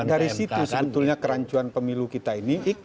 tapi kan dari situ sebetulnya kerancuan pemilu kita ini